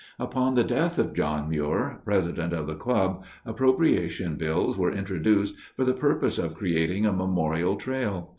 Upon the death of John Muir, president of the club, appropriation bills were introduced for the purpose of creating a memorial trail.